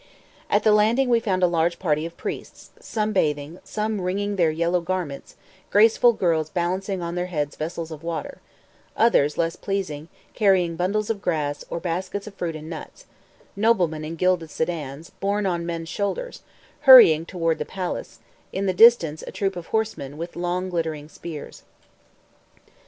At the landing we found a large party of priests, some bathing, some wringing their yellow garments; graceful girls balancing on their heads vessels of water; others, less pleasing, carrying bundles of grass, or baskets of fruit and nuts; noblemen in gilded sedans, borne on men's shoulders, hurrying toward the palace; in the distance a troop of horsemen, with long glittering spears.